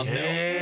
え！